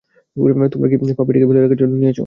তোমরা কি পাপ্পিটাকে ফেলে রাখার জন্য নিয়েছ?